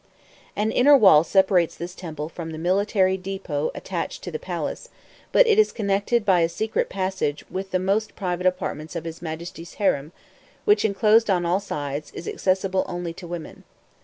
An inner wall separates this temple from the military depot attached to the palace; but it is connected by a secret passage with the most private apartments of his Majesty's harem, which, enclosed on all sides, is accessible only to women.